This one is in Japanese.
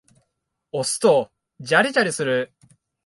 押すとジャリジャリする。